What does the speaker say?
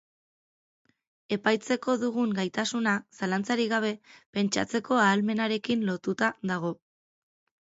Epaitzeko dugun gaitasuna, zalantzarik gabe, pentsatzeko ahalmenarekin lotuta dago.